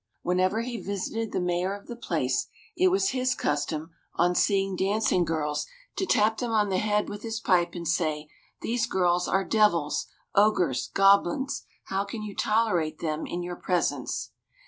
Whenever he visited the Mayor of the place, it was his custom, on seeing dancing girls, to tap them on the head with his pipe, and say, "These girls are devils, ogres, goblins. How can you tolerate them in your presence?"